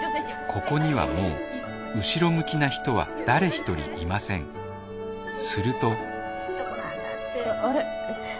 ここにはもう後ろ向きな人は誰ひとりいませんするとあれ？